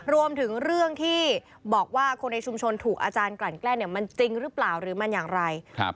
รวมถึงเรื่องที่บอกว่าคนในชุมชนถูกอาจารย์กลั่นแกล้งเนี่ยมันจริงหรือเปล่าหรือมันอย่างไร